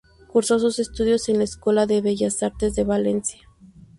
Cursó sus estudios en la Escuela de Bellas Artes de Valencia.